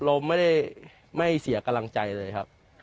เราไม่เสียกำลังใจเลยครับ